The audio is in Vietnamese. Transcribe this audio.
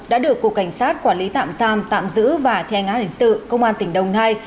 đã được cục cảnh sát quản lý tạm sam tạm giữ và theo ngã hình sự công an tỉnh đồng nai